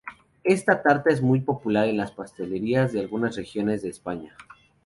Esta tarta es muy popular en las pastelerías de algunas regiones de España.